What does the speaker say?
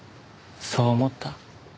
そう思った。